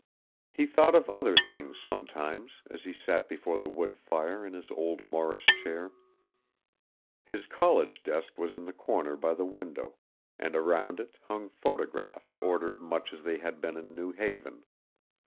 He thought of other things sometimes as he sat before the wood fire in his old Morris chair. His college desk was in the corner by the window, and around it hung photographs ordered much as they had been in New Haven.